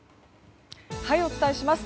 お伝えします。